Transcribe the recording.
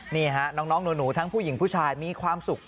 นี่ฮะน้องหนูทั้งผู้หญิงผู้ชายมีความสุข